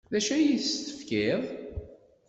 D acu ay as-tefkiḍ?